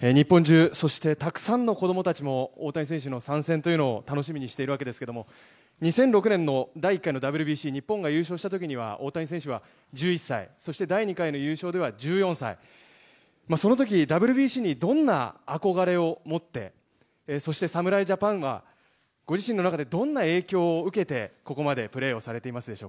日本中、そしてたくさんの子どもたちも大谷選手の参戦というのを楽しみにしているわけですけども、２００６年の第１回のＷＢＣ、日本が優勝したときには、大谷選手は１１歳、そして第２回の優勝では１４歳、そのとき、ＷＢＣにどんな憧れを持って、そして侍ジャパンは、ご自身の中でどんな影響を受けて、ここまでプレーをされていますでしょうか？